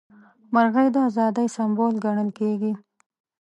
مرغۍ د ازادۍ سمبول ګڼل کیږي.